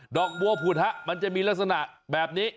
อกบัวผุดฮะมันจะมีลักษณะแบบนี้